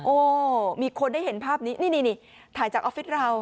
โอ้มีคนได้เห็นภาพนี้นี่ถ่ายจากออฟฟิศเรา